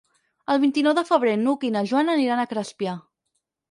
El vint-i-nou de febrer n'Hug i na Joana aniran a Crespià.